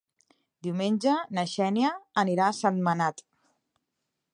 Diumenge na Xènia anirà a Sentmenat.